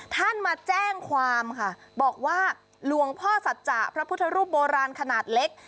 ท่านมาแจ้งความค่ะบอกว่าหลวงพ่อสัจจะพระพุทธรูปโบราณขนาดเล็ก